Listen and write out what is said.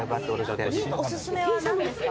お薦めは何ですか？